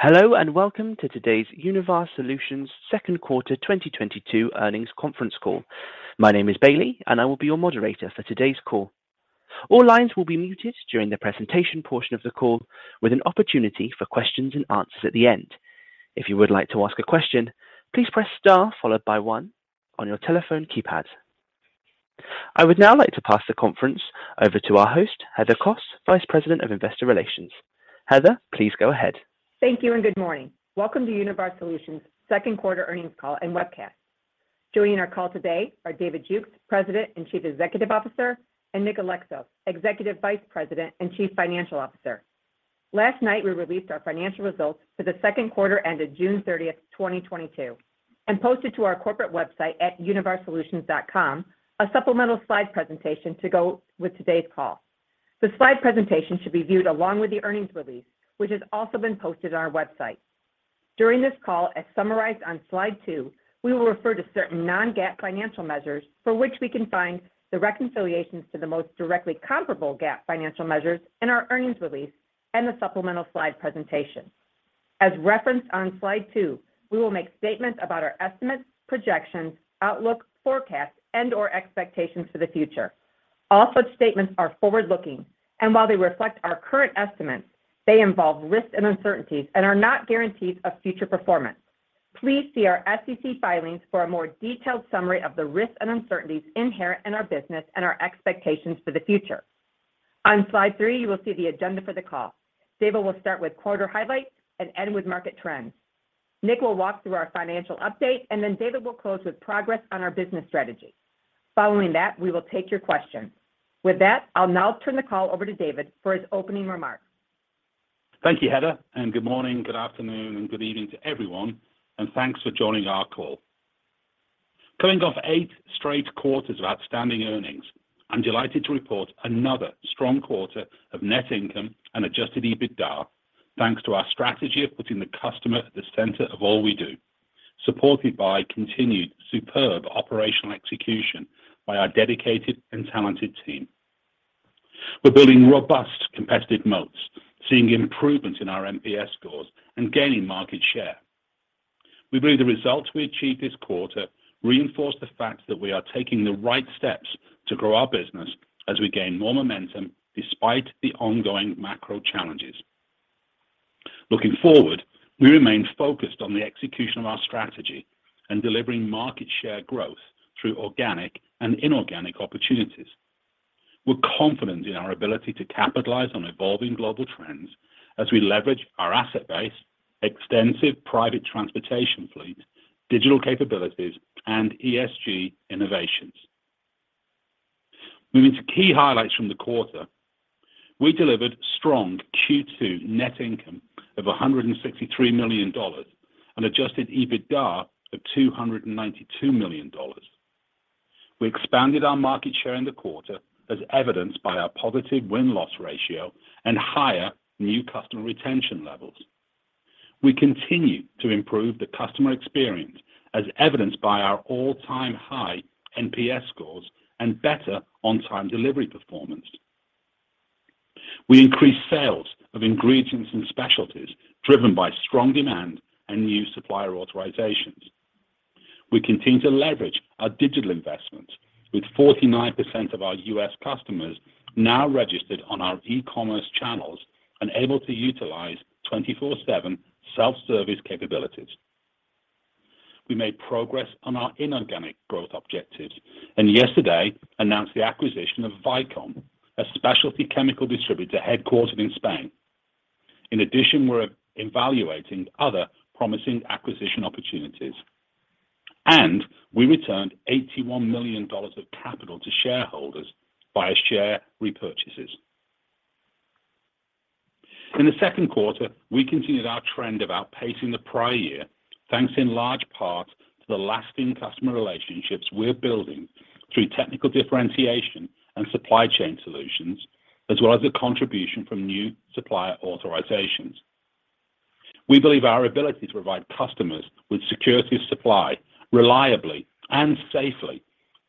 Hello, and welcome to today's Univar Solutions second quarter 2022 earnings conference call. My name is Bailey, and I will be your moderator for today's call. All lines will be muted during the presentation portion of the call with an opportunity for questions and answers at the end. If you would like to ask a question, please press star followed by one on your telephone keypad. I would now like to pass the conference over to our host, Heather Kos, Vice President of Investor Relations. Heather, please go ahead. Thank you and good morning. Welcome to Univar Solutions second quarter earnings call and webcast. Joining our call today are David Jukes, President and Chief Executive Officer, and Nick Alexos, Executive Vice President and Chief Financial Officer. Last night, we released our financial results for the second quarter ended June 30, 2022, and posted to our corporate website at univarsolutions.com a supplemental slide presentation to go with today's call. The slide presentation should be viewed along with the earnings release, which has also been posted on our website. During this call, as summarized on slide two, we will refer to certain non-GAAP financial measures for which we can find the reconciliations to the most directly comparable GAAP financial measures in our earnings release and the supplemental slide presentation. As referenced on slide two, we will make statements about our estimates, projections, outlook, forecasts, and/or expectations for the future. All such statements are forward-looking, and while they reflect our current estimates, they involve risks and uncertainties and are not guarantees of future performance. Please see our SEC filings for a more detailed summary of the risks and uncertainties inherent in our business and our expectations for the future. On slide three, you will see the agenda for the call. David will start with quarter highlights and end with market trends. Nick will walk through our financial update, and then David will close with progress on our business strategy. Following that, we will take your questions. With that, I'll now turn the call over to David for his opening remarks. Thank you, Heather, and good morning, good afternoon, and good evening to everyone, and thanks for joining our call. Coming off eight straight quarters of outstanding earnings, I'm delighted to report another strong quarter of net income and Adjusted EBITDA thanks to our strategy of putting the customer at the center of all we do, supported by continued superb operational execution by our dedicated and talented team. We're building robust competitive moats, seeing improvements in our NPS scores and gaining market share. We believe the results we achieved this quarter reinforce the fact that we are taking the right steps to grow our business as we gain more momentum despite the ongoing macro challenges. Looking forward, we remain focused on the execution of our strategy and delivering market share growth through organic and inorganic opportunities. We're confident in our ability to capitalize on evolving global trends as we leverage our asset base, extensive private transportation fleet, digital capabilities, and ESG innovations. Moving to key highlights from the quarter. We delivered strong Q2 net income of $163 million and Adjusted EBITDA of $292 million. We expanded our market share in the quarter as evidenced by our positive win-loss ratio and higher new customer retention levels. We continue to improve the customer experience as evidenced by our all-time high NPS scores and better on-time delivery performance. We increased sales of ingredients and specialties driven by strong demand and new supplier authorizations. We continue to leverage our digital investments with 49% of our U.S. customers now registered on our e-commerce channels and able to utilize 24/7 self-service capabilities. We made progress on our inorganic growth objectives and yesterday announced the acquisition of Vicom, a specialty chemical distributor headquartered in Spain. In addition, we're evaluating other promising acquisition opportunities. We returned $81 million of capital to shareholders via share repurchases. In the second quarter, we continued our trend of outpacing the prior year, thanks in large part to the lasting customer relationships we're building through technical differentiation and supply chain solutions, as well as the contribution from new supplier authorizations. We believe our ability to provide customers with security of supply reliably and safely,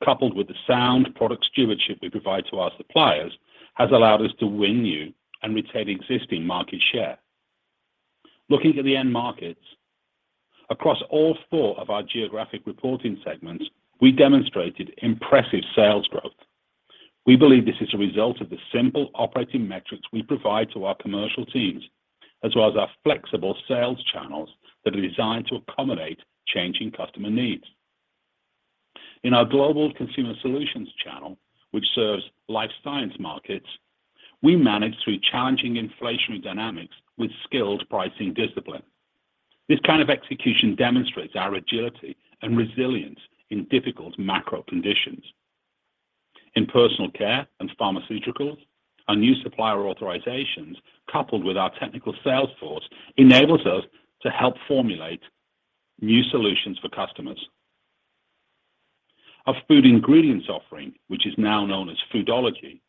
coupled with the sound product stewardship we provide to our suppliers, has allowed us to win new and retain existing market share. Looking at the end markets, across all four of our geographic reporting segments, we demonstrated impressive sales growth. We believe this is a result of the simple operating metrics we provide to our commercial teams, as well as our flexible sales channels that are designed to accommodate changing customer needs. In our global consumer solutions channel, which serves life science markets, we managed through challenging inflationary dynamics with skilled pricing discipline. This kind of execution demonstrates our agility and resilience in difficult macro conditions. In personal care and pharmaceuticals, our new supplier authorizations, coupled with our technical sales force, enables us to help formulate new solutions for customers. Our food ingredients offering, which is now known as Foodology,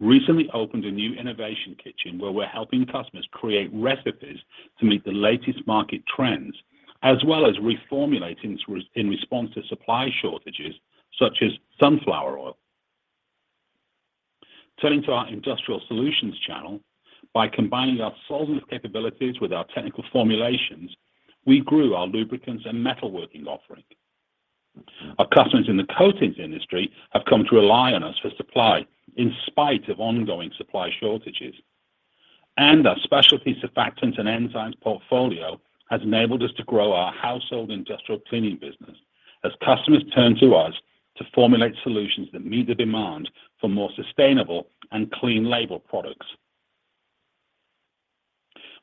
recently opened a new innovation kitchen where we're helping customers create recipes to meet the latest market trends, as well as reformulating in response to supply shortages such as sunflower oil. Turning to our Industrial Solutions channel, by combining our solvent capabilities with our technical formulations, we grew our lubricants and metalworking offering. Our customers in the coatings industry have come to rely on us for supply in spite of ongoing supply shortages. Our specialties surfactants and enzymes portfolio has enabled us to grow our household and industrial cleaning business as customers turn to us to formulate solutions that meet the demand for more sustainable and clean label products.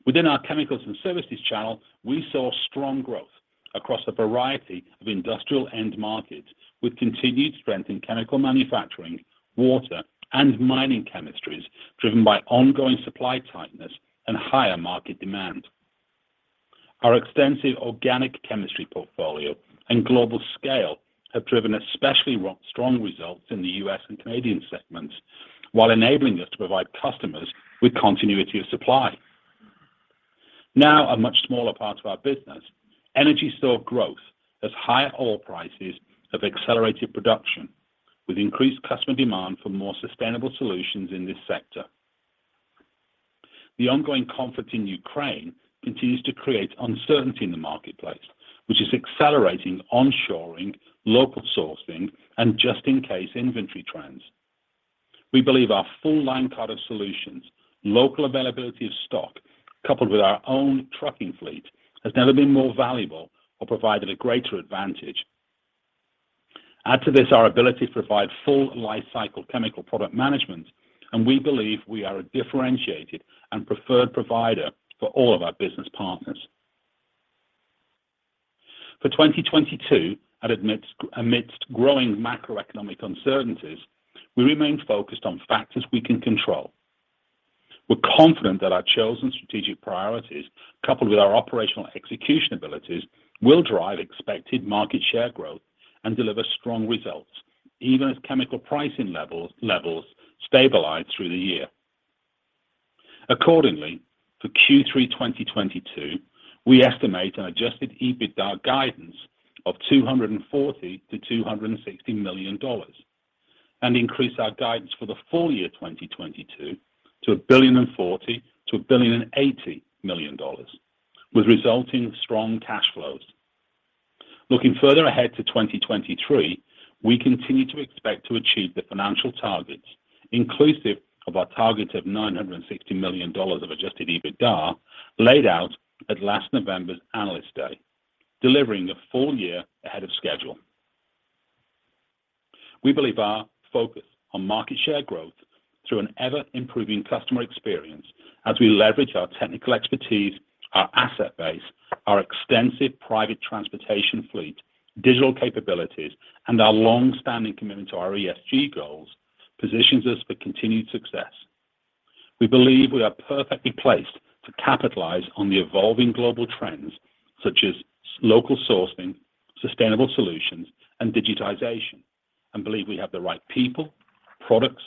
Within our Chemicals & Services channel, we saw strong growth across a variety of industrial end markets with continued strength in chemical manufacturing, water, and mining chemistries driven by ongoing supply tightness and higher market demand. Our extensive organic chemistry portfolio and global scale have driven especially strong results in the U.S. and Canadian segments while enabling us to provide customers with continuity of supply. Now a much smaller part of our business, energy saw growth as higher oil prices have accelerated production with increased customer demand for more sustainable solutions in this sector. The ongoing conflict in Ukraine continues to create uncertainty in the marketplace, which is accelerating onshoring, local sourcing, and just in case inventory trends. We believe our full line card of solutions, local availability of stock, coupled with our own trucking fleet, has never been more valuable or provided a greater advantage. Add to this our ability to provide full life cycle chemical product management, and we believe we are a differentiated and preferred provider for all of our business partners. For 2022, amidst growing macroeconomic uncertainties, we remain focused on factors we can control. We're confident that our chosen strategic priorities, coupled with our operational execution abilities, will drive expected market share growth and deliver strong results, even as chemical pricing levels stabilize through the year. Accordingly, for Q3 2022, we estimate an Adjusted EBITDA guidance of $240 million-$260 million and increase our guidance for the full year 2022 to $1.04 billion-$1.08 billion, with resulting strong cash flows. Looking further ahead to 2023, we continue to expect to achieve the financial targets inclusive of our target of $960 million of Adjusted EBITDA laid out at last November's Analyst Day, delivering a full year ahead of schedule. We believe our focus on market share growth through an ever-improving customer experience as we leverage our technical expertise, our asset base, our extensive private transportation fleet, digital capabilities, and our long-standing commitment to our ESG goals positions us for continued success. We believe we are perfectly placed to capitalize on the evolving global trends such as local sourcing, sustainable solutions, and digitization, and believe we have the right people, products,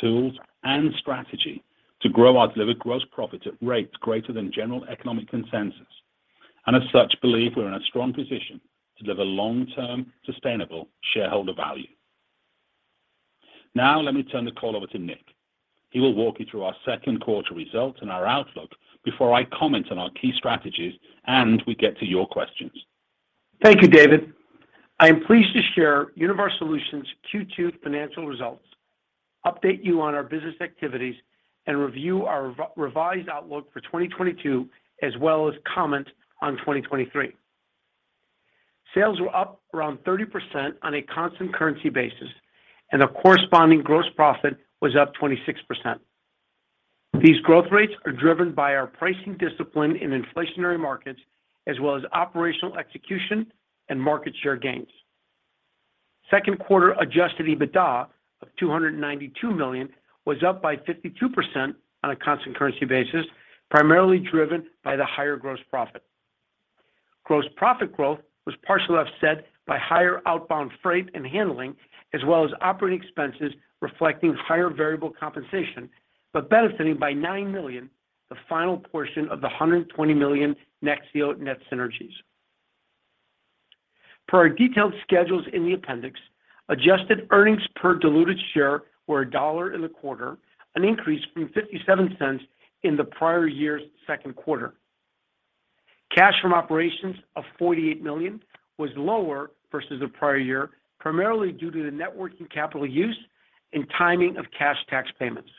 tools, and strategy to grow our delivered gross profit at rates greater than general economic consensus, and as such believe we're in a strong position to deliver long-term sustainable shareholder value. Now let me turn the call over to Nick. He will walk you through our second quarter results and our outlook before I comment on our key strategies, and we get to your questions. Thank you, David. I am pleased to share Univar Solutions Q2 financial results, update you on our business activities, and review our revised outlook for 2022 as well as comment on 2023. Sales were up around 30% on a constant currency basis, and the corresponding gross profit was up 26%. These growth rates are driven by our pricing discipline in inflationary markets as well as operational execution and market share gains. Second quarter Adjusted EBITDA of $292 million was up by 52% on a constant currency basis, primarily driven by the higher gross profit. Gross profit growth was partially offset by higher outbound freight and handling as well as operating expenses reflecting higher variable compensation, but benefiting by $9 million, the final portion of the $120 million Nexeo net synergies. Per our detailed schedules in the appendix, adjusted earnings per diluted share were $1 in the quarter, an increase from $0.57 in the prior year's second quarter. Cash from operations of $48 million was lower versus the prior year, primarily due to the net working capital use and timing of cash tax payments.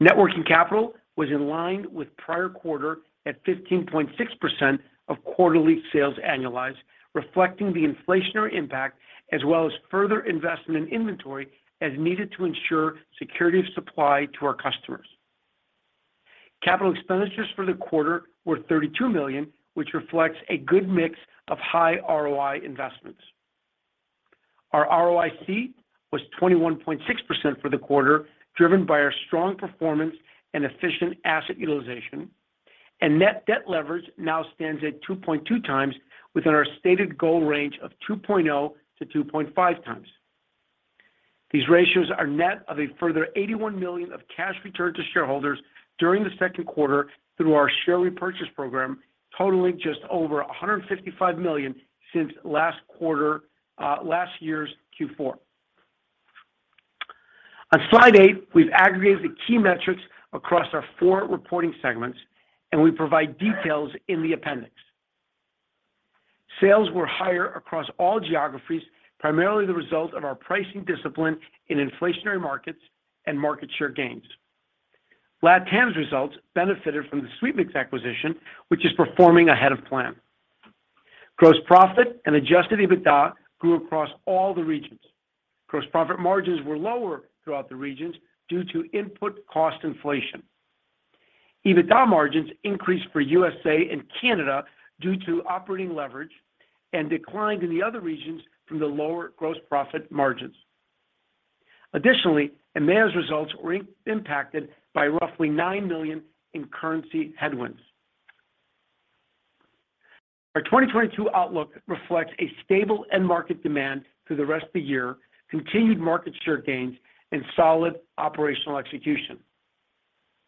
Net working capital was in line with prior quarter at 15.6% of quarterly sales annualized, reflecting the inflationary impact as well as further investment in inventory as needed to ensure security of supply to our customers. Capital expenditures for the quarter were $32 million, which reflects a good mix of high ROI investments. Our ROIC was 21.6% for the quarter, driven by our strong performance and efficient asset utilization. Net debt leverage now stands at 2.2 times within our stated goal range of 2.0-2.5 times. These ratios are net of a further $81 million of cash returned to shareholders during the second quarter through our share repurchase program, totaling just over $155 million since last quarter, last year's Q4. On slide 8, we've aggregated the key metrics across our four reporting segments, and we provide details in the appendix. Sales were higher across all geographies, primarily the result of our pricing discipline in inflationary markets and market share gains. LatAm's results benefited from the Sweetmix acquisition, which is performing ahead of plan. Gross profit and Adjusted EBITDA grew across all the regions. Gross profit margins were lower throughout the regions due to input cost inflation. EBITDA margins increased for USA and Canada due to operating leverage and declined in the other regions from the lower gross profit margins. Additionally, EMEA's results were impacted by roughly $9 million in currency headwinds. Our 2022 outlook reflects a stable end market demand through the rest of the year, continued market share gains, and solid operational execution.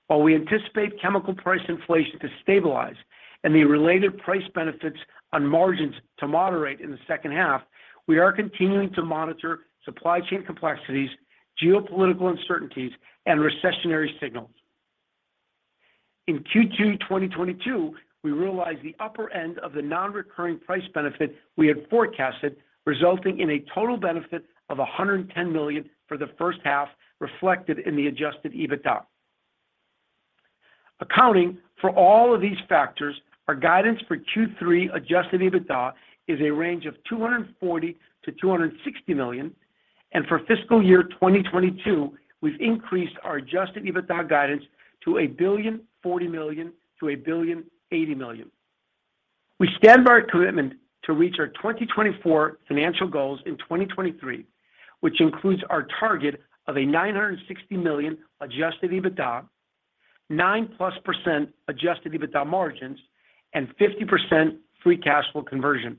While we anticipate chemical price inflation to stabilize and the related price benefits on margins to moderate in the second half, we are continuing to monitor supply chain complexities, geopolitical uncertainties, and recessionary signals. In Q2 2022, we realized the upper end of the non-recurring price benefit we had forecasted, resulting in a total benefit of $110 million for the first half reflected in the adjusted EBITDA. Accounting for all of these factors, our guidance for Q3 Adjusted EBITDA is a range of $240 million-$260 million. For fiscal year 2022, we've increased our Adjusted EBITDA guidance to $1.04 billion-$1.08 billion. We stand by our commitment to reach our 2024 financial goals in 2023, which includes our target of $960 million Adjusted EBITDA, 9%+ Adjusted EBITDA margins, and 50% free cash flow conversion.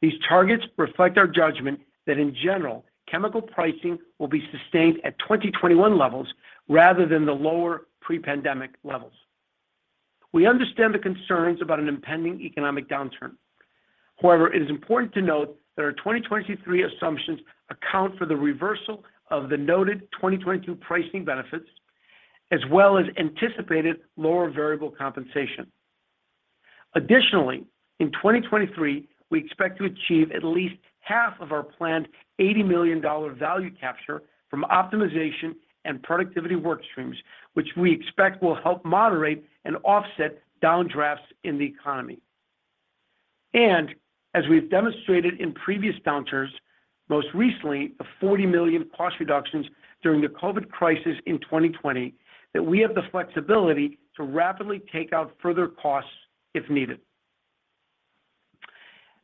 These targets reflect our judgment that, in general, chemical pricing will be sustained at 2021 levels rather than the lower pre-pandemic levels. We understand the concerns about an impending economic downturn. However, it is important to note that our 2023 assumptions account for the reversal of the noted 2022 pricing benefits, as well as anticipated lower variable compensation. Additionally, in 2023, we expect to achieve at least half of our planned $80 million value capture from optimization and productivity work streams, which we expect will help moderate and offset downdrafts in the economy. As we've demonstrated in previous downturns, most recently, the $40 million cost reductions during the COVID crisis in 2020, that we have the flexibility to rapidly take out further costs if needed.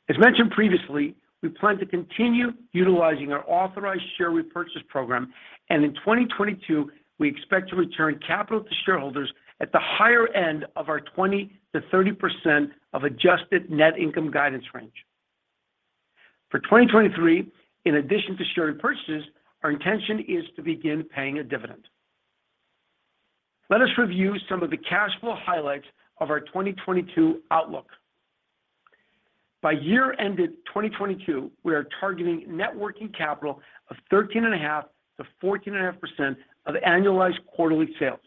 As mentioned previously, we plan to continue utilizing our authorized share repurchase program, and in 2022, we expect to return capital to shareholders at the higher end of our 20%-30% of adjusted net income guidance range. For 2023, in addition to share repurchases, our intention is to begin paying a dividend. Let us review some of the cash flow highlights of our 2022 outlook. By year ended 2022, we are targeting net working capital of 13.5%-14.5% of annualized quarterly sales.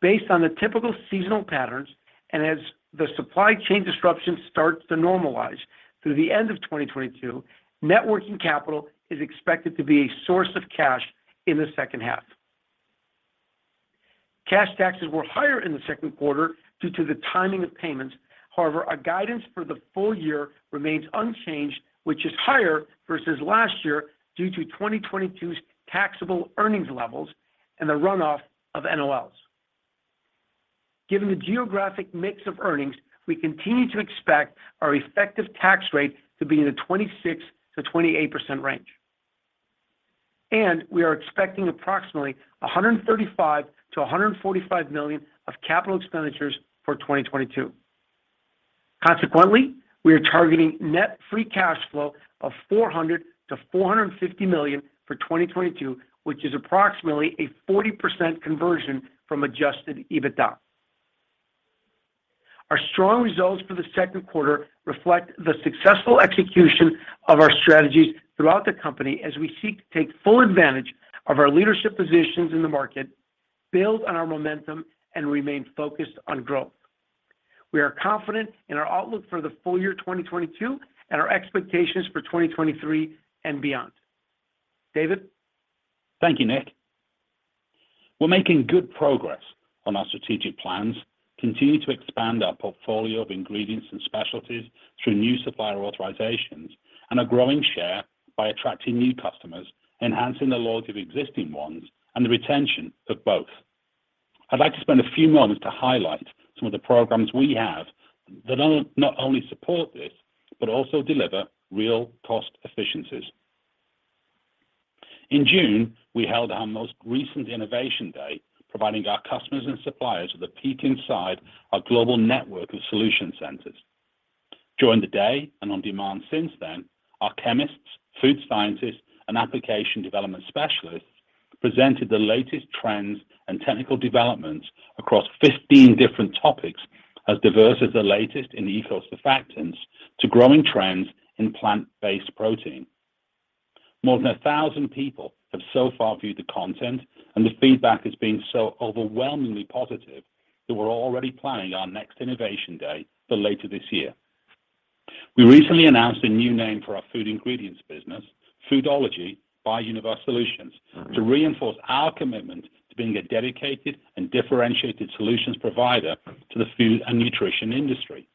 Based on the typical seasonal patterns, and as the supply chain disruption starts to normalize through the end of 2022, net working capital is expected to be a source of cash in the second half. Cash taxes were higher in the second quarter due to the timing of payments. However, our guidance for the full year remains unchanged, which is higher versus last year due to 2022's taxable earnings levels and the runoff of NOLs. Given the geographic mix of earnings, we continue to expect our effective tax rate to be in the 26%-28% range, and we are expecting approximately $135 million-$145 million of capital expenditures for 2022. Consequently, we are targeting net free cash flow of $400 million-$450 million for 2022, which is approximately a 40% conversion from Adjusted EBITDA. Our strong results for the second quarter reflect the successful execution of our strategies throughout the company as we seek to take full advantage of our leadership positions in the market, build on our momentum, and remain focused on growth. We are confident in our outlook for the full year 2022 and our expectations for 2023 and beyond. David? Thank you, Nick. We're making good progress on our strategic plans, continue to expand our portfolio of ingredients and specialties through new supplier authorizations, and are growing share by attracting new customers, enhancing the loyalty of existing ones, and the retention of both. I'd like to spend a few moments to highlight some of the programs we have that not only support this, but also deliver real cost efficiencies. In June, we held our most recent Innovation Day, providing our customers and suppliers with a peek inside our global network of solution centers. During the day, and on demand since then, our chemists, food scientists, and application development specialists presented the latest trends and technical developments across 15 different topics as diverse as the latest in eco surfactants to growing trends in plant-based protein. More than 1,000 people have so far viewed the content, and the feedback has been so overwhelmingly positive that we're already planning our next innovation day for later this year. We recently announced a new name for our food ingredients business, Foodology by Univar Solutions. To reinforce our commitment to being a dedicated and differentiated solutions provider to the food and nutrition industry.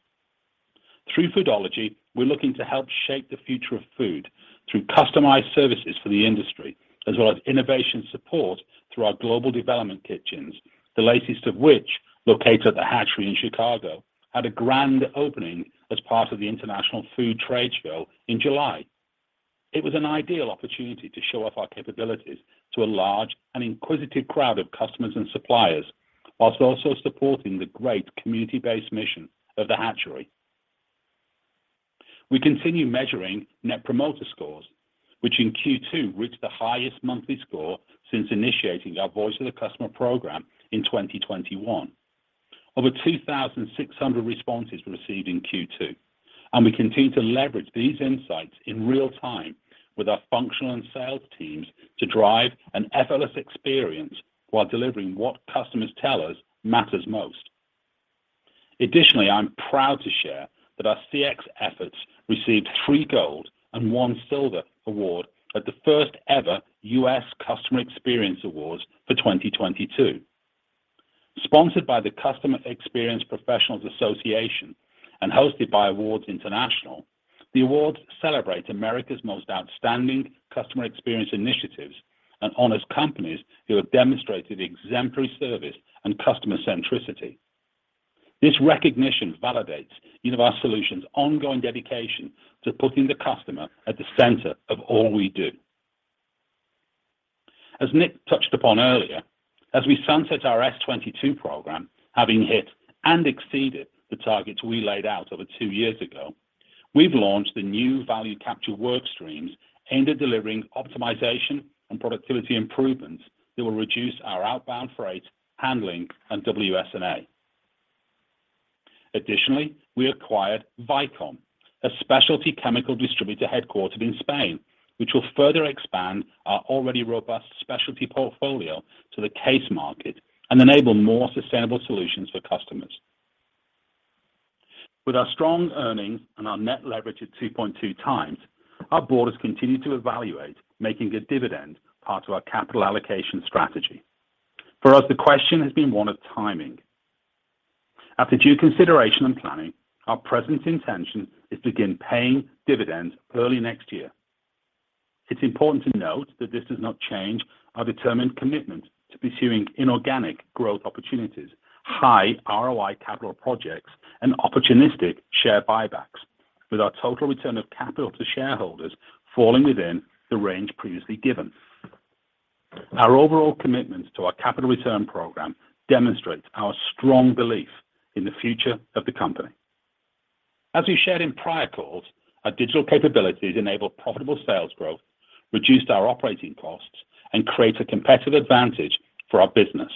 Through Foodology, we're looking to help shape the future of food through customized services for the industry, as well as innovation support through our global development kitchens, the latest of which, located at The Hatchery in Chicago, had a grand opening as part of the IFT Food Expo in July. It was an ideal opportunity to show off our capabilities to a large and inquisitive crowd of customers and suppliers, while also supporting the great community-based mission of The Hatchery. We continue measuring net promoter scores, which in Q2 reached the highest monthly score since initiating our Voice of the Customer program in 2021. Over 2,600 responses were received in Q2, and we continue to leverage these insights in real time with our functional and sales teams to drive an effortless experience while delivering what customers tell us matters most. Additionally, I'm proud to share that our CX efforts received three gold and one silver award at the first ever U.S. Customer Experience Awards for 2022. Sponsored by the Customer Experience Professionals Association and hosted by Awards International, the awards celebrate America's most outstanding customer experience initiatives and honors companies who have demonstrated exemplary service and customer centricity. This recognition validates Univar Solutions' ongoing dedication to putting the customer at the center of all we do. As Nick touched upon earlier, as we sunset our S22 program, having hit and exceeded the targets we laid out over two years ago, we've launched the new value capture work streams aimed at delivering optimization and productivity improvements that will reduce our outbound freight, handling, and WS&A. Additionally, we acquired Vicom, a specialty chemical distributor headquartered in Spain, which will further expand our already robust specialty portfolio to the CASE market and enable more sustainable solutions for customers. With our strong earnings and our net leverage at 2.2 times, our board has continued to evaluate making a dividend part of our capital allocation strategy. For us, the question has been one of timing. After due consideration and planning, our present intention is to begin paying dividends early next year. It's important to note that this does not change our determined commitment to pursuing inorganic growth opportunities, high ROI capital projects, and opportunistic share buybacks with our total return of capital to shareholders falling within the range previously given. Our overall commitments to our capital return program demonstrates our strong belief in the future of the company. As we shared in prior calls, our digital capabilities enable profitable sales growth, reduced our operating costs, and creates a competitive advantage for our business.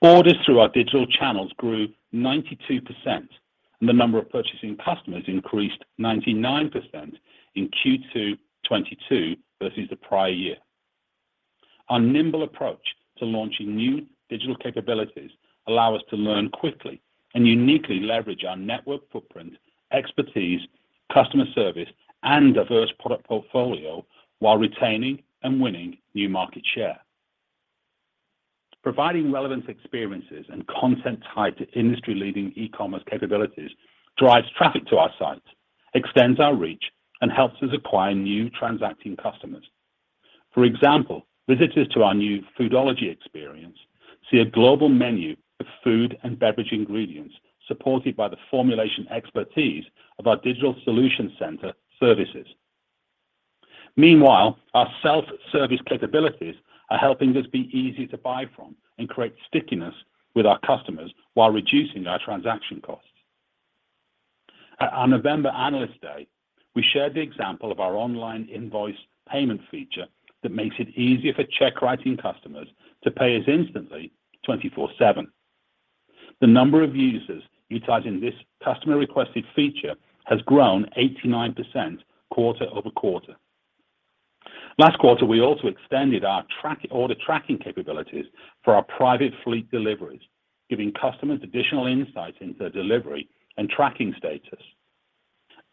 Orders through our digital channels grew 92%, and the number of purchasing customers increased 99% in Q2 2022 versus the prior year. Our nimble approach to launching new digital capabilities allow us to learn quickly and uniquely leverage our network footprint, expertise, customer service, and diverse product portfolio while retaining and winning new market share. Providing relevant experiences and content tied to industry-leading e-commerce capabilities drives traffic to our sites, extends our reach, and helps us acquire new transacting customers. For example, visitors to our new Foodology experience see a global menu of food and beverage ingredients supported by the formulation expertise of our digital solutions center services. Meanwhile, our self-service capabilities are helping us be easy to buy from and create stickiness with our customers while reducing our transaction costs. At our November Analyst Day, we shared the example of our online invoice payment feature that makes it easier for check-writing customers to pay us instantly 24/7. The number of users utilizing this customer-requested feature has grown 89% quarter-over-quarter. Last quarter, we also extended our order tracking capabilities for our private fleet deliveries, giving customers additional insight into their delivery and tracking status.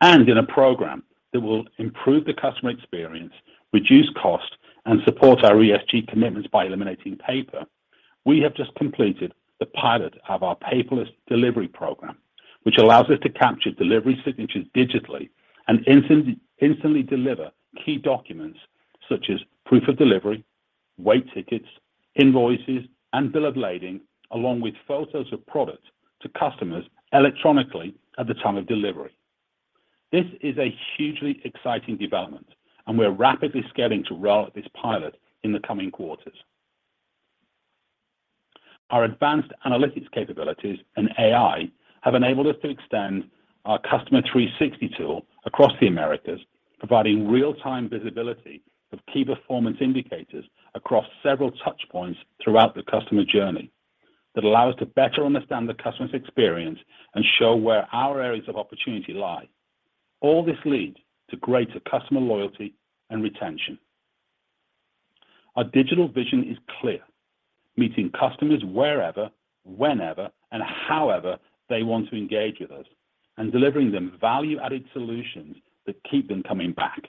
In a program that will improve the customer experience, reduce cost, and support our ESG commitments by eliminating paper, we have just completed the pilot of our paperless delivery program, which allows us to capture delivery signatures digitally and instantly deliver key documents such as proof of delivery, weight tickets, invoices, and bill of lading, along with photos of product to customers electronically at the time of delivery. This is a hugely exciting development, and we're rapidly scaling to roll out this pilot in the coming quarters. Our advanced analytics capabilities and AI have enabled us to extend our Customer 360 tool across the Americas, providing real-time visibility of key performance indicators across several touch points throughout the customer journey that allow us to better understand the customer's experience and show where our areas of opportunity lie. All this leads to greater customer loyalty and retention. Our digital vision is clear: meeting customers wherever, whenever, and however they want to engage with us and delivering them value-added solutions that keep them coming back.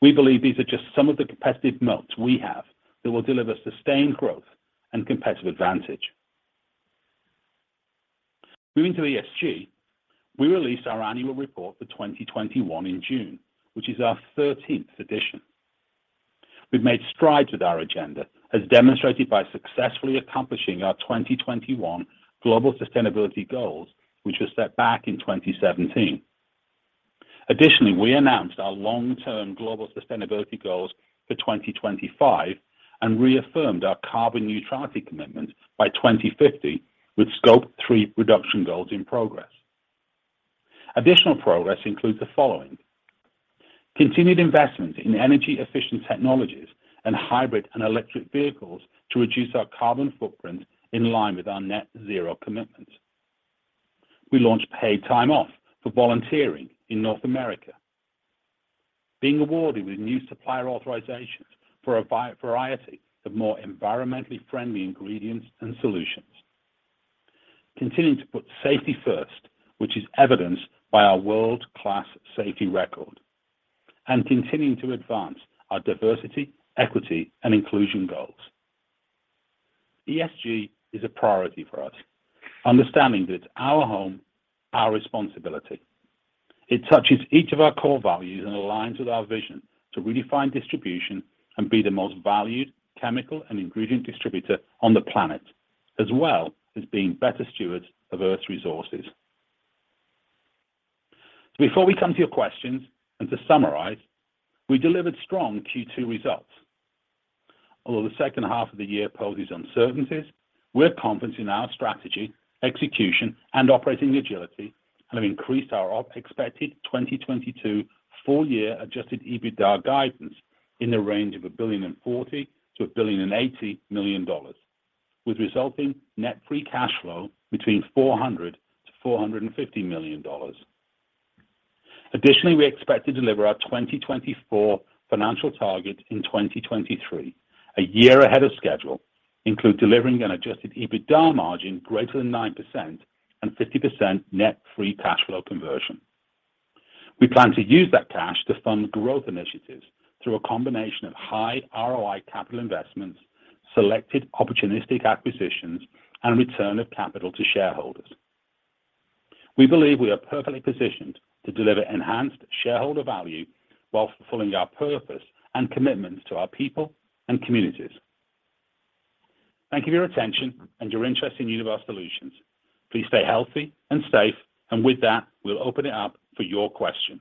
We believe these are just some of the competitive moats we have that will deliver sustained growth and competitive advantage. Moving to ESG, we released our annual report for 2021 in June, which is our 13th edition. We've made strides with our agenda, as demonstrated by successfully accomplishing our 2021 global sustainability goals, which were set back in 2017. Additionally, we announced our long-term global sustainability goals for 2025 and reaffirmed our carbon neutrality commitment by 2050 with scope three reduction goals in progress. Additional progress includes the following. Continued investment in energy-efficient technologies and hybrid and electric vehicles to reduce our carbon footprint in line with our net zero commitment. We launched paid time off for volunteering in North America. Being awarded with new supplier authorizations for a variety of more environmentally friendly ingredients and solutions. Continuing to put safety first, which is evidenced by our world-class safety record. Continuing to advance our diversity, equity, and inclusion goals. ESG is a priority for us. Understanding that our home, our responsibility. It touches each of our core values and aligns with our vision to redefine distribution and be the most valued chemical and ingredient distributor on the planet, as well as being better stewards of Earth's resources. Before we come to your questions and to summarize, we delivered strong Q2 results. Although the second half of the year poses uncertainties, we're confident in our strategy, execution, and operating agility and have increased our expected 2022 full year Adjusted EBITDA guidance in the range of $1.04-$1.08 billion, with resulting net free cash flow between $400 million and $450 million. Additionally, we expect to deliver our 2024 financial target in 2023, a year ahead of schedule, including delivering an Adjusted EBITDA margin greater than 9% and 50% net free cash flow conversion. We plan to use that cash to fund growth initiatives through a combination of high ROI capital investments, selected opportunistic acquisitions, and return of capital to shareholders. We believe we are perfectly positioned to deliver enhanced shareholder value while fulfilling our purpose and commitments to our people and communities. Thank you for your attention and your interest in Univar Solutions. Please stay healthy and safe. With that, we'll open it up for your questions.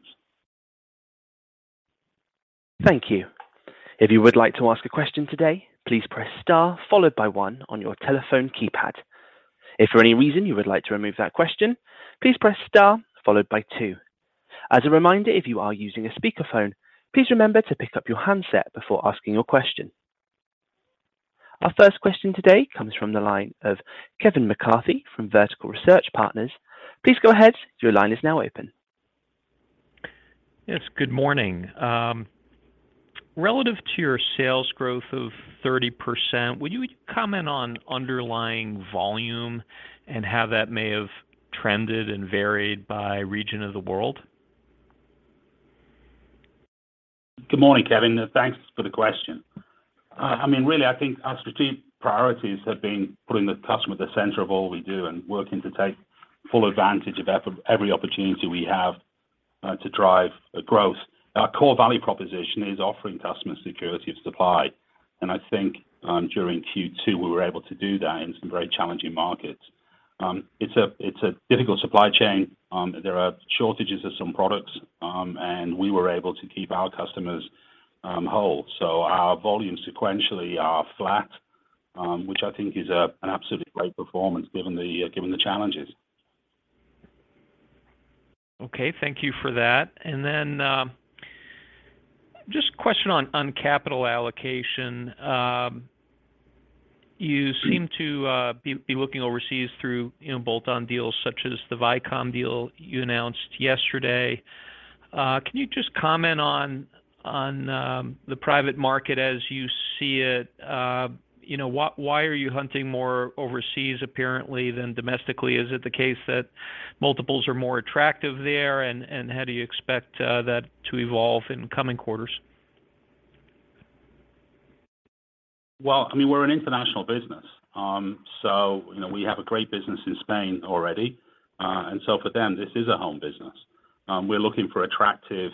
Thank you. If you would like to ask a question today, please press star followed by one on your telephone keypad. If for any reason you would like to remove that question, please press star followed by two. As a reminder, if you are using a speakerphone, please remember to pick up your handset before asking your question. Our first question today comes from the line of Kevin McCarthy from Vertical Research Partners. Please go ahead. Your line is now open. Yes, good morning. Relative to your sales growth of 30%, would you comment on underlying volume and how that may have trended and varied by region of the world? Good morning, Kevin, and thanks for the question. I mean, really, I think our strategic priorities have been putting the customer at the center of all we do and working to take full advantage of every opportunity we have, to drive growth. Our core value proposition is offering customers security of supply. I think, during Q2, we were able to do that in some very challenging markets. It's a difficult supply chain. There are shortages of some products, and we were able to keep our customers whole. Our volumes sequentially are flat, which I think is an absolutely great performance given the challenges. Okay. Thank you for that. Just a question on capital allocation. You seem to be looking overseas through, you know, bolt-on deals such as the Vicom deal you announced yesterday. Can you just comment on the private market as you see it? You know, why are you hunting more overseas apparently than domestically? Is it the case that multiples are more attractive there and how do you expect that to evolve in coming quarters? Well, I mean, we're an international business. So you know, we have a great business in Spain already. For them, this is a home business. We're looking for attractive,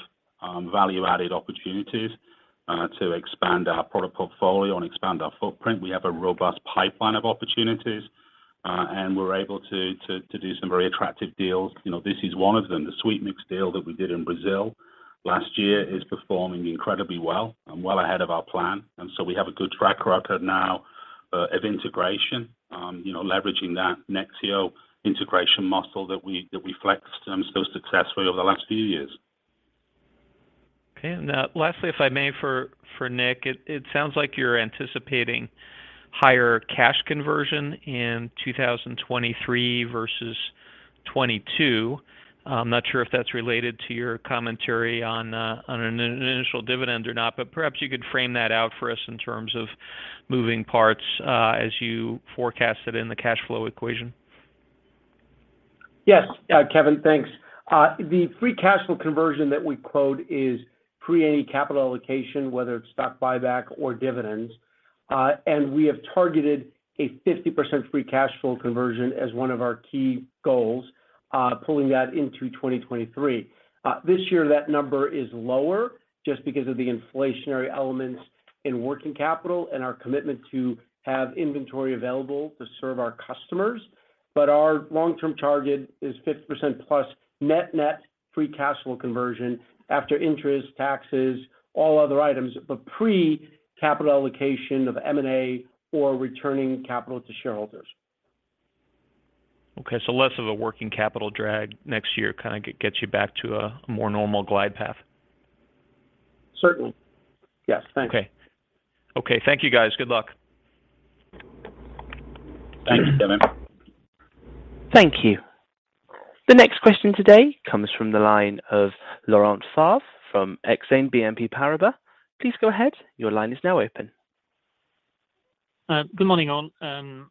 value-added opportunities, to expand our product portfolio and expand our footprint. We have a robust pipeline of opportunities, and we're able to do some very attractive deals. You know, this is one of them. The Sweetmix deal that we did in Brazil last year is performing incredibly well and ahead of our plan. We have a good track record now, of integration, you know, leveraging that Nexeo integration muscle that we flexed, so successfully over the last few years. Okay. Lastly, if I may, for Nick, it sounds like you're anticipating higher cash conversion in 2023 versus 2022. I'm not sure if that's related to your commentary on an initial dividend or not, but perhaps you could frame that out for us in terms of moving parts, as you forecasted in the cash flow equation. Yes. Kevin, thanks. The free cash flow conversion that we quote is pre any capital allocation, whether it's stock buyback or dividends. We have targeted a 50% free cash flow conversion as one of our key goals, pulling that into 2023. This year that number is lower just because of the inflationary elements in working capital and our commitment to have inventory available to serve our customers. Our long-term target is 50%+ net net free cash flow conversion after interest, taxes, all other items, but pre capital allocation of M&A or returning capital to shareholders. Okay, less of a working capital drag next year kind of gets you back to a more normal glide path? Certainly. Yes. Thanks. Okay. Okay, thank you guys. Good luck. Thank you, Kevin. Thank you. The next question today comes from the line of Laurent Favre from Exane BNP Paribas. Please go ahead. Your line is now open. Good morning, all.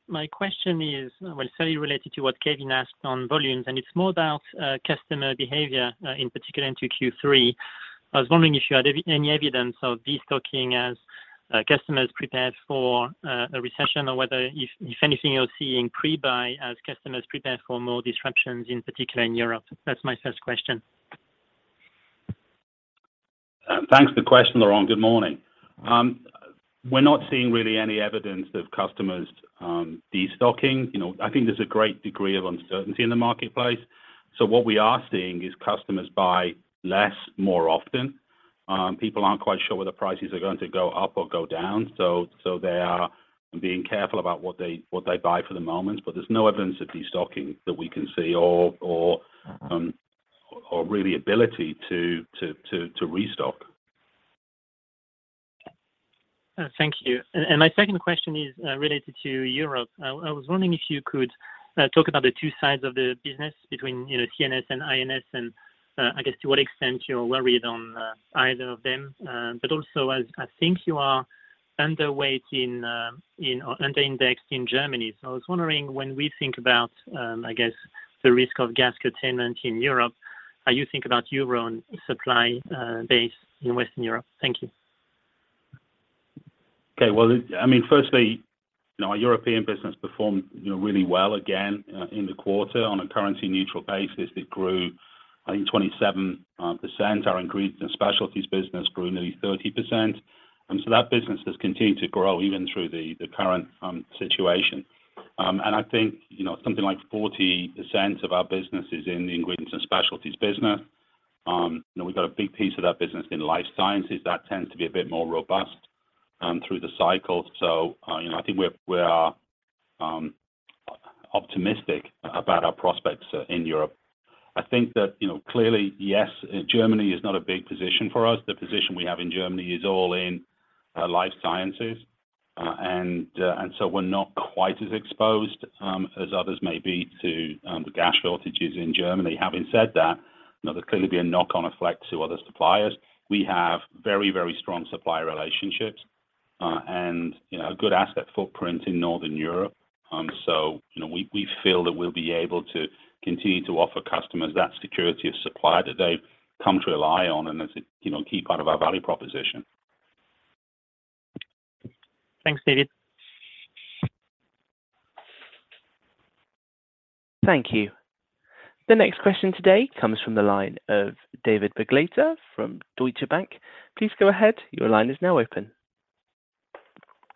My question is, well, certainly related to what Kevin asked on volumes, and it's more about customer behavior in particular into Q3. I was wondering if you had any evidence of destocking as customers prepared for a recession or whether, if anything, you're seeing pre-buy as customers prepare for more disruptions in particular in Europe? That's my first question. Thanks for the question, Laurent Good morning. We're not seeing really any evidence of customers destocking. You know, I think there's a great degree of uncertainty in the marketplace. What we are seeing is customers buy less more often. People aren't quite sure whether prices are going to go up or go down. They are being careful about what they buy for the moment. There's no evidence of destocking that we can see or really ability to restock. Thank you. My second question is related to Europe. I was wondering if you could talk about the two sides of the business between, you know, C&S and I&S and I guess to what extent you're worried on either of them. Also as I think you are underweight in or under indexed in Germany. I was wondering when we think about the risk of gas curtailment in Europe, how you think about your own supply base in Western Europe. Thank you. Okay. Well, I mean, firstly, you know, our European business performed, you know, really well again in the quarter. On a currency-neutral basis, it grew, I think, 27%. Our ingredients and specialties business grew nearly 30%. That business has continued to grow even through the current situation. I think, you know, something like 40% of our business is in the ingredients and specialties business. You know, we've got a big piece of that business in life sciences that tends to be a bit more robust through the cycle. You know, I think we are optimistic about our prospects in Europe. I think that, you know, clearly, yes, Germany is not a big position for us. The position we have in Germany is all in life sciences. We're not quite as exposed as others may be to the gas shortages in Germany. Having said that, you know, there's clearly been a knock-on effect to other suppliers. We have very, very strong supplier relationships, and, you know, a good asset footprint in Northern Europe. You know, we feel that we'll be able to continue to offer customers that security of supply that they've come to rely on and is a key part of our value proposition. Thanks, David. Thank you. The next question today comes from the line of David Begleiter from Deutsche Bank. Please go ahead. Your line is now open.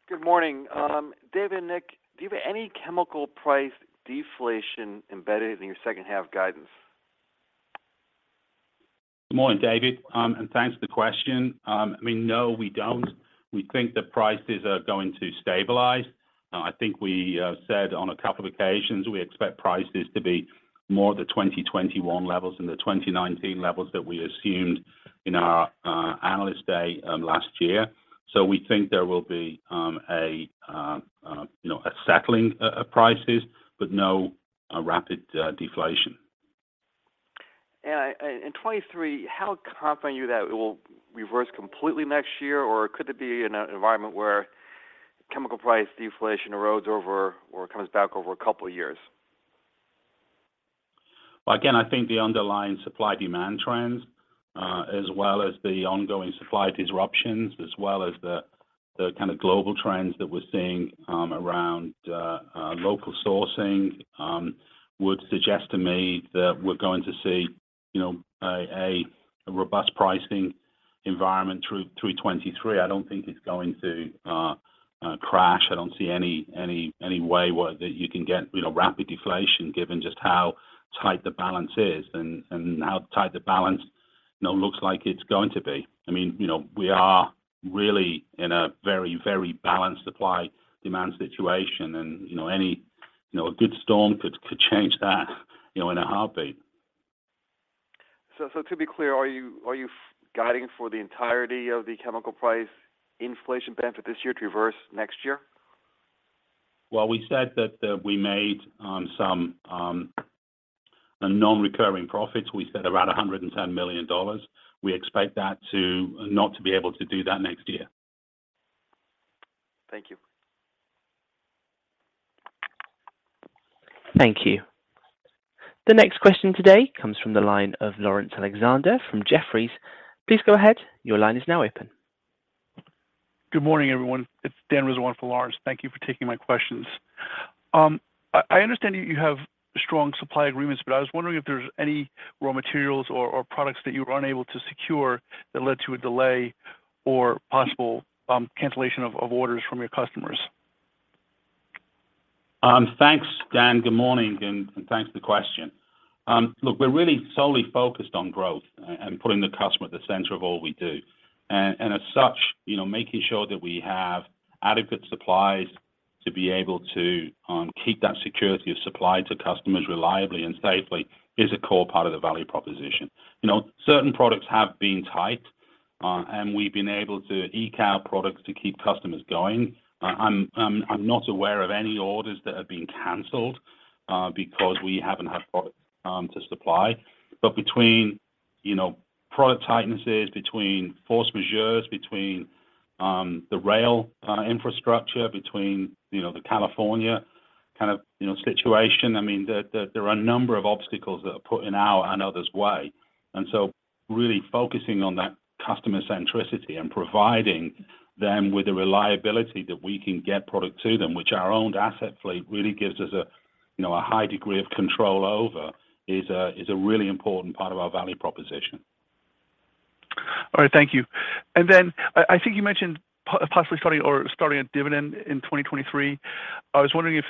Good morning. Dave and Nick, do you have any chemical price deflation embedded in your second half guidance? Good morning, David, and thanks for the question. I mean, no, we don't. We think the prices are going to stabilize. I think we said on a couple occasions we expect prices to be more the 2021 levels than the 2019 levels that we assumed in our Analyst Day last year. We think there will be a you know a settling of prices, but no rapid deflation. In 2023, how confident are you that it will reverse completely next year? Or could it be in an environment where chemical price deflation erodes over or comes back over a couple of years? Well, again, I think the underlying supply demand trends, as well as the ongoing supply disruptions, as well as the kind of global trends that we're seeing, around local sourcing, would suggest to me that we're going to see, you know, a robust pricing environment through 2023. I don't think it's going to crash. I don't see any way where that you can get, you know, rapid deflation given just how tight the balance is and how tight the balance, you know, looks like it's going to be. I mean, you know, we are really in a very balanced supply demand situation and, you know, any, you know, a good storm could change that you know, in a heartbeat. To be clear, are you guiding for the entirety of the chemical price inflation benefit this year to reverse next year? Well, we said that we made some non-recurring profits. We said around $110 million. We expect that to not be able to do that next year. Thank you. Thank you. The next question today comes from the line of Laurence Alexander from Jefferies. Please go ahead. Your line is now open. Good morning, everyone. It's Dan Rizzo on for Laurence. Thank you for taking my questions. I understand you have strong supply agreements, but I was wondering if there's any raw materials or products that you were unable to secure that led to a delay or possible cancellation of orders from your customers. Thanks, Dan. Good morning, and thanks for the question. Look, we're really solely focused on growth and putting the customer at the center of all we do. As such, you know, making sure that we have adequate supplies to be able to keep that security of supply to customers reliably and safely is a core part of the value proposition. You know, certain products have been tight, and we've been able to eke out products to keep customers going. I'm not aware of any orders that have been canceled because we haven't had products to supply. Between, you know, product tightnesses, between force majeures, between the rail infrastructure, between, you know, the California kind of situation, I mean, there are a number of obstacles that are put in our and others' way. Really focusing on that customer centricity and providing them with the reliability that we can get product to them, which our owned asset fleet really gives us a, you know, a high degree of control over is a really important part of our value proposition. All right, thank you. Then I think you mentioned possibly starting a dividend in 2023. I was wondering if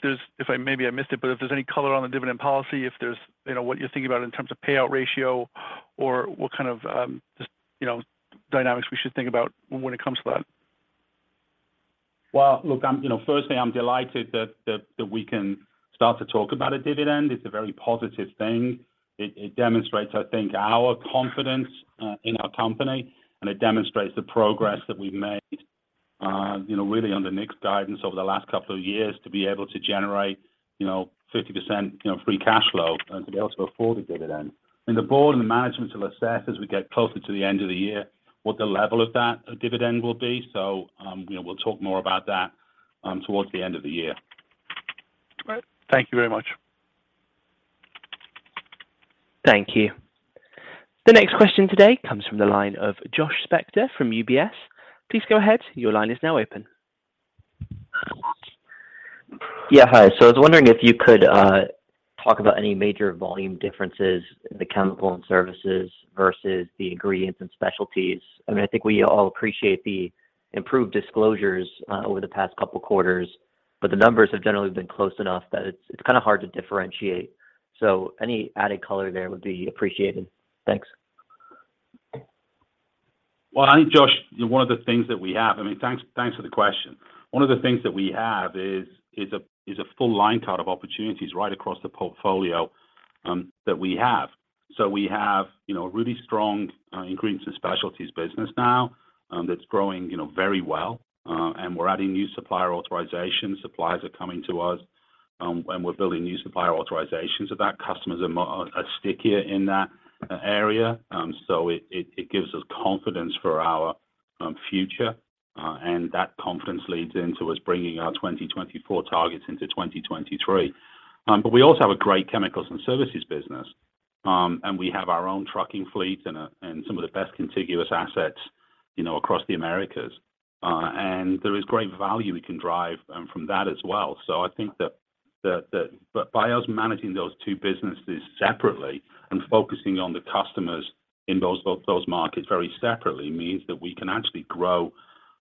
I maybe missed it, but if there's any color on the dividend policy, if there's, you know, what you're thinking about in terms of payout ratio or what kind of, just, you know, dynamics we should think about when it comes to that. Well, look, firstly I'm delighted that we can start to talk about a dividend. It's a very positive thing. It demonstrates, I think, our confidence in our company, and it demonstrates the progress that we've made, you know, really under Nick's guidance over the last couple of years to be able to generate, you know, 50% free cash flow and to be able to afford a dividend. The board and the management will assess as we get closer to the end of the year what the level of that dividend will be. You know, we'll talk more about that towards the end of the year. All right. Thank you very much. Thank you. The next question today comes from the line of Josh Spector from UBS. Please go ahead. Your line is now open. Yeah. Hi. I was wondering if you could talk about any major volume differences in the Chemicals & Services versus the Ingredients & Specialties. I mean, I think we all appreciate the improved disclosures over the past couple quarters, but the numbers have generally been close enough that it's kinda hard to differentiate. Any added color there would be appreciated. Thanks. Well, I think, Josh, one of the things that we have. I mean, thanks for the question. One of the things that we have is a full line card of opportunities right across the portfolio that we have. We have, you know, a really strong Ingredients and Specialties business now that's growing, you know, very well. We're adding new supplier authorizations. Suppliers are coming to us, and we're building new supplier authorizations so that customers are stickier in that area. It gives us confidence for our future, and that confidence leads into us bringing our 2024 targets into 2023. We also have a great Chemicals & Services business, and we have our own trucking fleet and some of the best contiguous assets, you know, across the Americas. There is great value we can drive from that as well. I think that by us managing those two businesses separately and focusing on the customers in those markets very separately means that we can actually grow,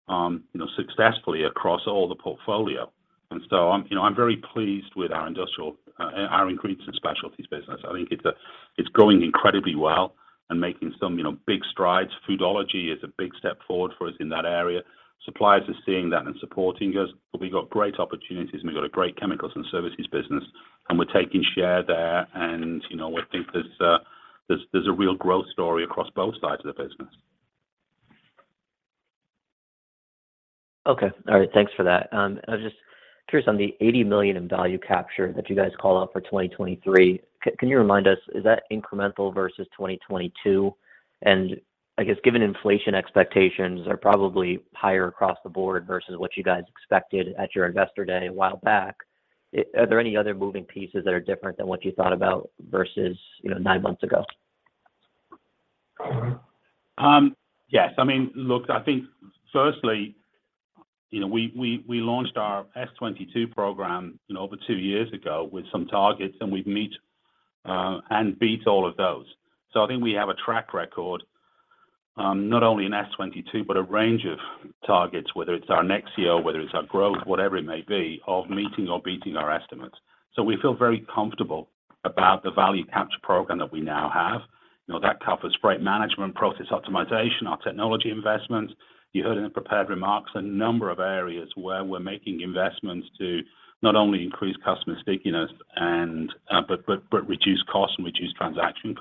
you know, successfully across all the portfolio. I'm, you know, very pleased with our ingredients and specialties business. I think it's growing incredibly well and making some, you know, big strides. Foodology is a big step forward for us in that area. Suppliers are seeing that and supporting us. We've got great opportunities, and we've got a great Chemicals & Services business, and we're taking share there. You know, I think there's a real growth story across both sides of the business. Okay. All right, thanks for that. I was just curious on the $80 million in value capture that you guys called out for 2023. Can you remind us, is that incremental versus 2022? I guess, given inflation expectations are probably higher across the board versus what you guys expected at your investor day a while back, are there any other moving pieces that are different than what you thought about versus, you know, nine months ago? Yes. I mean, look, I think firstly. You know, we launched our S22 program, you know, over two years ago with some targets, and we've met and beat all of those. I think we have a track record, not only in S22, but a range of targets, whether it's our next year, whether it's our growth, whatever it may be, of meeting or beating our estimates. We feel very comfortable about the value capture program that we now have. You know, that covers freight management, process optimization, our technology investments. You heard in the prepared remarks a number of areas where we're making investments to not only increase customer stickiness, but reduce cost and reduce transaction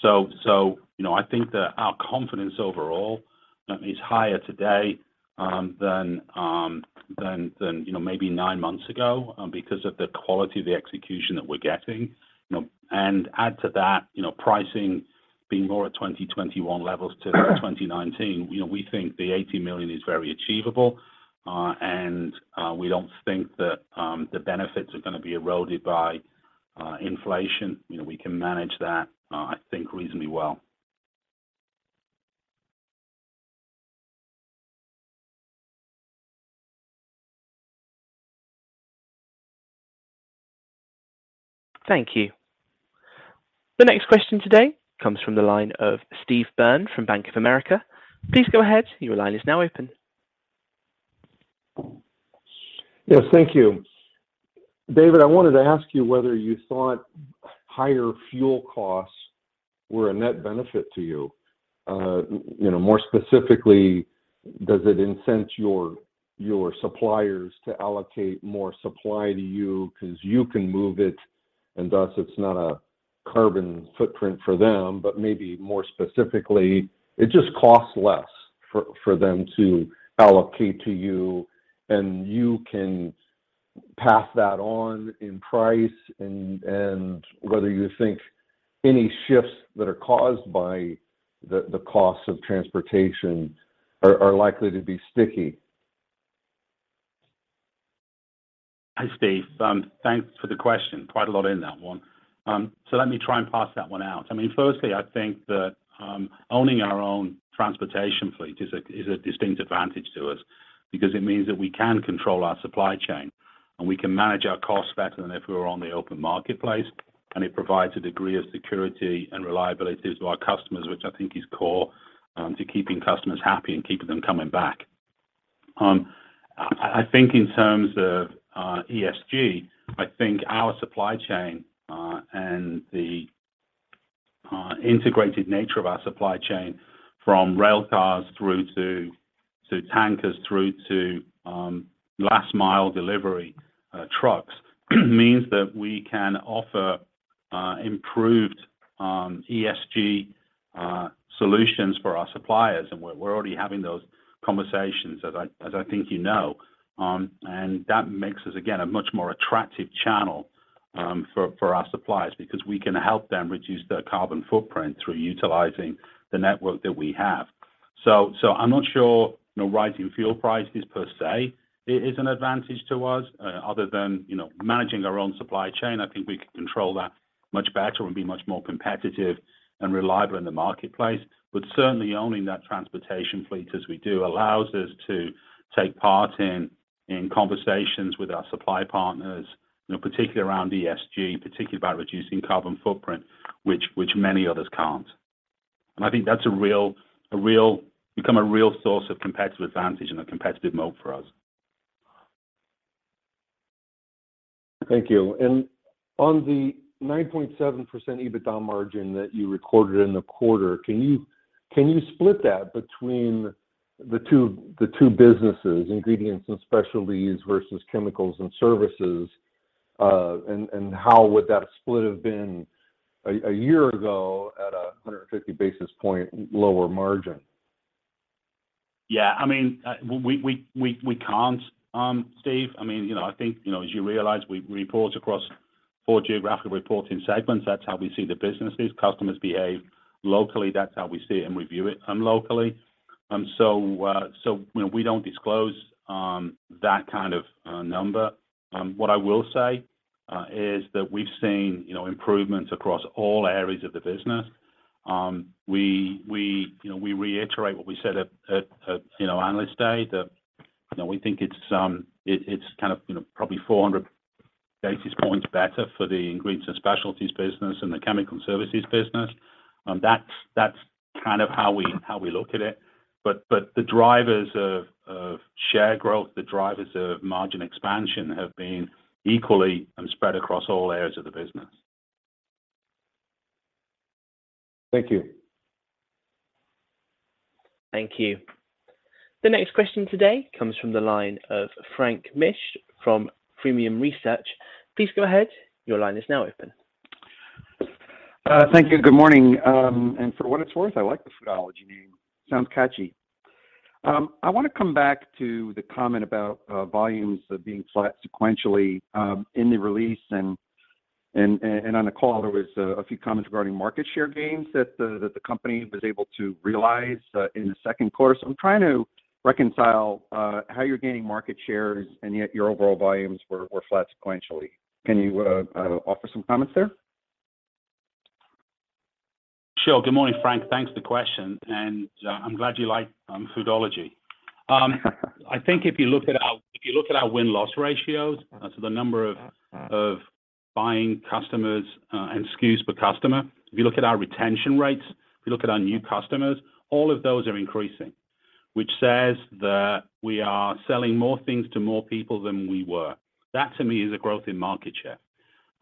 cost. I think that our confidence overall is higher today than you know, maybe nine months ago, because of the quality of the execution that we're getting. You know, add to that, you know, pricing being more at 2021 levels to 2019, you know, we think the $80 million is very achievable. We don't think that the benefits are gonna be eroded by inflation. You know, we can manage that, I think reasonably well. Thank you. The next question today comes from the line of Steve Byrne from Bank of America. Please go ahead. Your line is now open. Yes, thank you. David, I wanted to ask you whether you thought higher fuel costs were a net benefit to you. You know, more specifically, does it incent your suppliers to allocate more supply to you because you can move it, and thus it's not a carbon footprint for them, but maybe more specifically, it just costs less for them to allocate to you, and you can pass that on in price, and whether you think any shifts that are caused by the cost of transportation are likely to be sticky? Hi, Steve. Thanks for the question. Quite a lot in that one. So let me try and parse that one out. I mean, firstly, I think that owning our own transportation fleet is a distinct advantage to us because it means that we can control our supply chain, and we can manage our costs better than if we were on the open marketplace. It provides a degree of security and reliability to our customers, which I think is core to keeping customers happy and keeping them coming back. I think in terms of ESG, I think our supply chain and the integrated nature of our supply chain from rail cars through to tankers through to last mile delivery trucks means that we can offer improved ESG solutions for our suppliers. We're already having those conversations as I think you know. That makes us, again, a much more attractive channel for our suppliers because we can help them reduce their carbon footprint through utilizing the network that we have. I'm not sure, you know, rising fuel prices per se is an advantage to us, other than, you know, managing our own supply chain. I think we can control that much better and be much more competitive and reliable in the marketplace. Certainly owning that transportation fleet as we do allows us to take part in conversations with our supply partners, you know, particularly around ESG, particularly about reducing carbon footprint, which many others can't. I think that's become a real source of competitive advantage and a competitive moat for us. Thank you. On the 9.7% EBITDA margin that you recorded in the quarter, can you split that between the two businesses, Ingredients & Specialties versus Chemicals & Services? How would that split have been a year ago at a 150 basis point lower margin? Yeah, I mean, we can't, Steve. I mean, you know, I think, you know, as you realize, we report across four geographic reporting segments. That's how we see the businesses. Customers behave locally. That's how we see it and review it locally. You know, we don't disclose that kind of number. What I will say is that we've seen, you know, improvements across all areas of the business. We, you know, we reiterate what we said at Analyst Day, that, you know, we think it's kind of, you know, probably 400 basis points better for the Ingredients & Specialties business and the Chemicals & Services business. That's kind of how we look at it. The drivers of share growth, the drivers of margin expansion have been equally spread across all areas of the business. Thank you. Thank you. The next question today comes from the line of Frank Mitsch from Fermium Research. Please go ahead. Your line is now open. Thank you. Good morning. For what it's worth, I like the Foodology name. Sounds catchy. I wanna come back to the comment about volumes being flat sequentially in the release and on the call. There was a few comments regarding market share gains that the company was able to realize in the second quarter. I'm trying to reconcile how you're gaining market shares and yet your overall volumes were flat sequentially. Can you offer some comments there? Sure. Good morning, Frank. Thanks for the question, and I'm glad you like Foodology. I think if you look at our win-loss ratios, so the number of buying customers and SKUs per customer. If you look at our retention rates, if you look at our new customers, all of those are increasing, which says that we are selling more things to more people than we were. That to me is a growth in market share.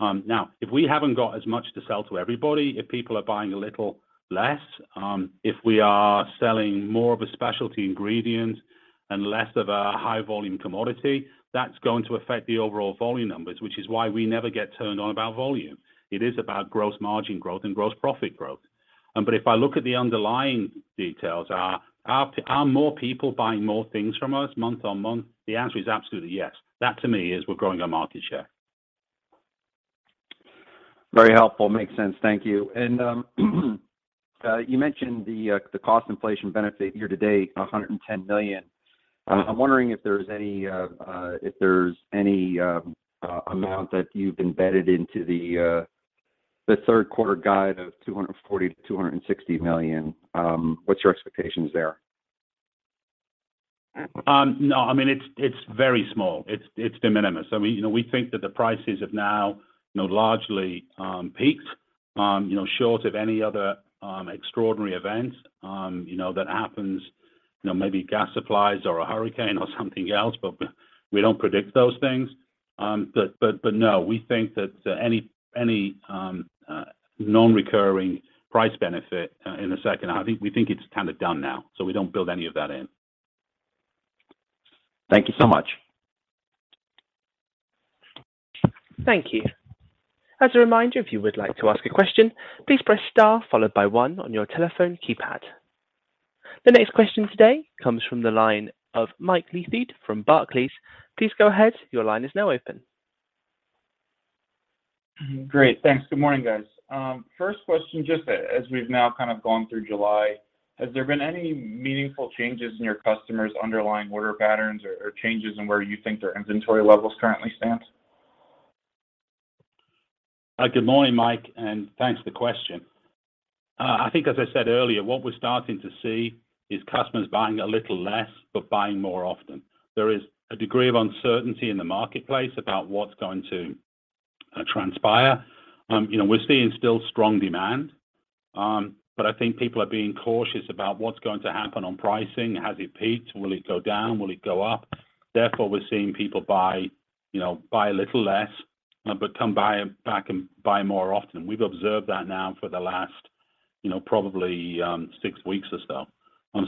Now, if we haven't got as much to sell to everybody, if people are buying a little less, if we are selling more of a specialty ingredient and less of a high volume commodity, that's going to affect the overall volume numbers, which is why we never get turned on about volume. It is about gross margin growth and gross profit growth. If I look at the underlying details, are more people buying more things from us month-on-month? The answer is absolutely yes. That to me is we're growing our market share. Very helpful. Makes sense. Thank you. You mentioned the cost inflation benefit year to date, $110 million. I'm wondering if there's any amount that you've embedded into the third quarter guide of $240 million-$260 million. What's your expectations there? No. I mean, it's very small. It's de minimis. I mean, you know, we think that the prices have now, you know, largely peaked, you know, short of any other extraordinary event, you know, that happens. You know, maybe gas supplies or a hurricane or something else, but we don't predict those things. No, we think that any non-recurring price benefit in the second half, I think we think it's kind of done now. We don't build any of that in. Thank you so much. Thank you. As a reminder, if you would like to ask a question, please press star followed by one on your telephone keypad. The next question today comes from the line of Mike Leithead from Barclays. Please go ahead. Your line is now open. Great. Thanks. Good morning, guys. First question, just as we've now kind of gone through July, has there been any meaningful changes in your customers' underlying order patterns or changes in where you think their inventory levels currently stand? Good morning, Mike, and thanks for the question. I think as I said earlier, what we're starting to see is customers buying a little less but buying more often. There is a degree of uncertainty in the marketplace about what's going to transpire. You know, we're seeing still strong demand, but I think people are being cautious about what's going to happen on pricing. Has it peaked? Will it go down? Will it go up? Therefore, we're seeing people buy, you know, buy a little less, but come back and buy more often. We've observed that now for the last, you know, probably six weeks or so.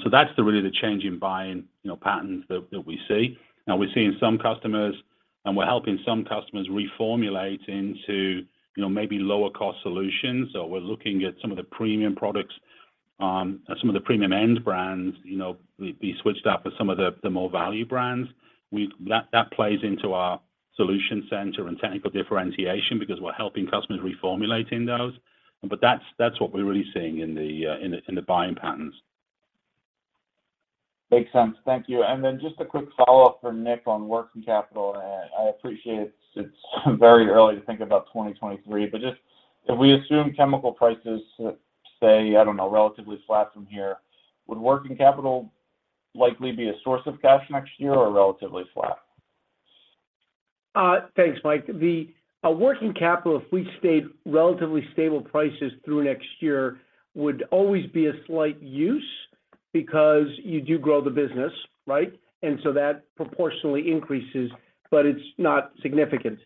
So that's really the change in buying, you know, patterns that we see. Now, we're seeing some customers, and we're helping some customers reformulate into, you know, maybe lower cost solutions or we're looking at some of the premium products, some of the premium end brands, you know, be switched out for some of the more value brands. That plays into our solution center and technical differentiation because we're helping customers reformulating those. But that's what we're really seeing in the buying patterns. Makes sense. Thank you. Just a quick follow-up for Nick on working capital. I appreciate it's very early to think about 2023, but just if we assume chemical prices stay, I don't know, relatively flat from here, would working capital likely be a source of cash next year or relatively flat? Thanks, Mike. The working capital, if we stayed relatively stable prices through next year, would always be a slight use because you do grow the business, right? That proportionately increases, but it's not significant.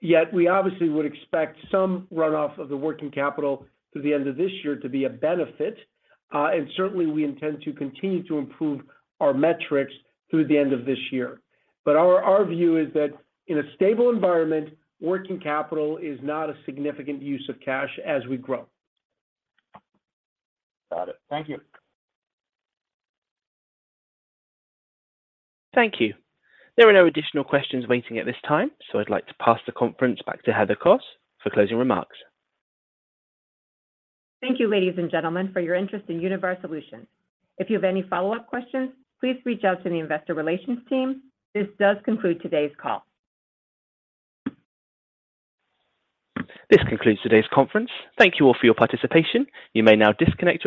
Yet we obviously would expect some runoff of the working capital through the end of this year to be a benefit. Certainly, we intend to continue to improve our metrics through the end of this year. Our view is that in a stable environment, working capital is not a significant use of cash as we grow. Got it. Thank you. Thank you. There are no additional questions waiting at this time, so I'd like to pass the conference back to Heather Kos for closing remarks. Thank you, ladies and gentlemen, for your interest in Univar Solutions. If you have any follow-up questions, please reach out to the investor relations team. This does conclude today's call. This concludes today's conference. Thank you all for your participation. You may now disconnect your lines.